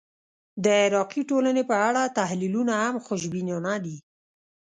د عراقي ټولنې په اړه تحلیلونه هم خوشبینانه دي.